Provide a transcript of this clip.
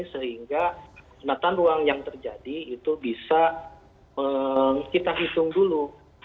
sehingga penataan ruang yang terjadi itu bisa kita hitung dulu